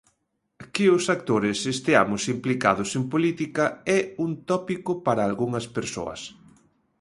Que os actores esteamos implicados en política é un tópico para algunhas persoas.